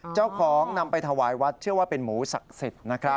เจ้าของนำไปถวายวัดเชื่อว่าเป็นหมูศักดิ์สิทธิ์